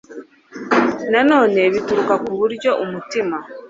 na none bituruka ku buryo umutima